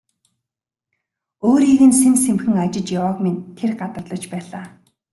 Өөрийг нь сэм сэмхэн ажиж явааг минь тэр гадарлаж байлаа.